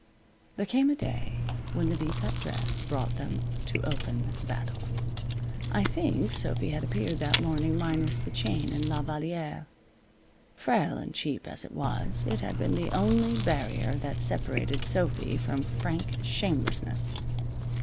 There came a day when the V cut dress brought them to open battle. I think Sophy had appeared that morning minus the chain and La Valliere. Frail and cheap as it was, it had been the only barrier that separated Sophy from frank shamelessness.